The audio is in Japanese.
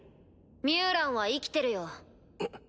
ミュウランは生きてるよ。